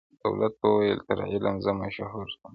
دولت وویل تر علم زه مشهور یم؛